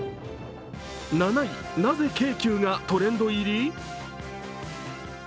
７位、なぜ京急がトレンド入り？